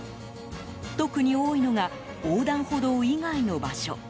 特に多いのが横断歩道以外の場所。